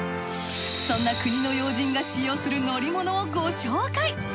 そんな国の要人が使用する乗り物をご紹介。